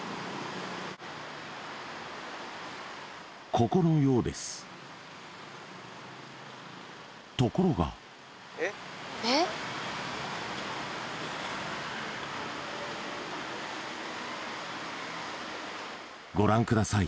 ここのようですところがご覧ください